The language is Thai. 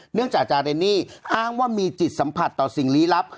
เนื่องจากจาเรนนี่อ้างว่ามีจิตสัมผัสต่อสิ่งลี้ลับ